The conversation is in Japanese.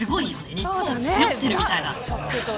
日本背負ってるみたいな。